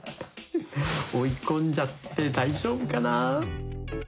追い込んじゃって大丈夫かな？